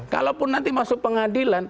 kalaupun nanti masuk pengadilan